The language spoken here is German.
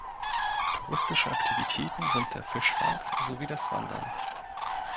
Touristische Aktivitäten sind der Fischfang, sowie das Wandern.